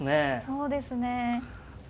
そうですね。